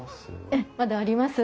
ええまだあります。